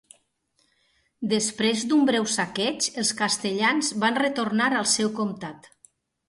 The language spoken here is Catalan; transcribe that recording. Després d'un breu saqueig els castellans van retornar al seu comtat.